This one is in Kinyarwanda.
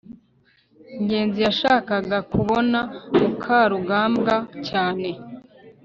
ngenzi yashakaga kubona mukarugambwa cyane